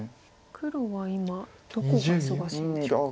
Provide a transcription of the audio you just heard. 黒は今どこが忙しいんでしょう？